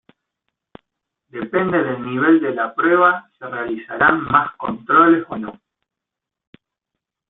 Depende del nivel de la prueba se realizarán más controles o no.